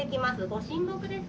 御神木です。